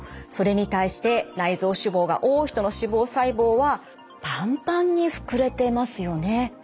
それに対して内臓脂肪が多い人の脂肪細胞はパンパンに膨れてますよね。